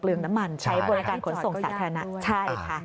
ึงน้ำมันใช้บริการขนส่งสาธารณะใช่ค่ะ